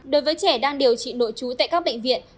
đối với trẻ đang điều trị nội trú tại các bệnh viện